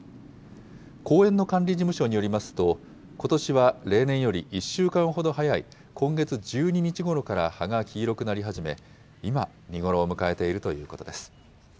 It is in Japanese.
公園の管理事務所によりますと、ことしは例年より１週間ほど早い今月１２日ごろから葉が黄色くなり始め、今、見頃を迎えているということです。